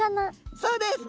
そうです！